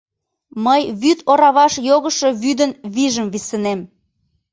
— Мый вӱд ораваш йогышо вӱдын вийжым висынем.